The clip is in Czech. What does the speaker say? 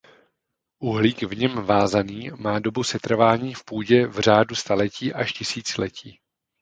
Uhlík v něm vázaný má dobu setrvání v půdě v řádu staletí až tisíciletí.